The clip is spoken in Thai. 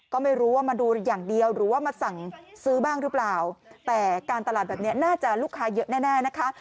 ก็ไม่รู้ว่ามาดูอย่างเดียวหรือว่ามาสั่งซื้อบ้างหรือเปล่าแต่การตลาดแบบนี้น่าจะลูกค้าเยอะแน่นะคะ